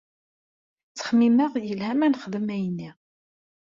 Ttxemmimeɣ yelha ma nexdem ayenni.